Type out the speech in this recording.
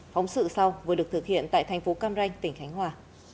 phóng sự sau vừa được thực hiện tại tp cam ranh tỉnh khánh hòa